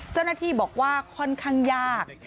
เจ้าหน้าที่บอกว่าค่อนข้างยาก